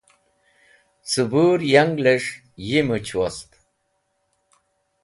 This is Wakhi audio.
Cẽbũr yanglẽs̃h yi much wost.